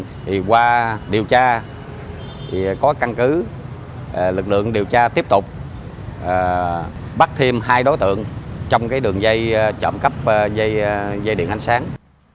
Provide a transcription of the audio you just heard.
thì qua điều tra thì có căn cứ lực lượng điều tra tiếp tục bắt thêm hai đối tượng trong cái đường dây trộm cắp dây điện ánh sáng